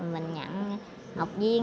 mình nhận học viên